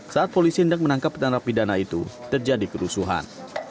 saat polisi hendak menangkap penapidana itu terjadi kerusuhan